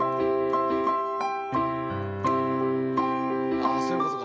ああそういうことか。